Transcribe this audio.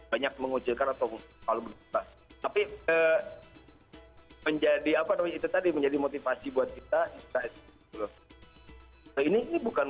banyak mengucilkan atau kalau begitu tapi menjadi apa namanya itu tadi menjadi motivasi buat kita ini bukan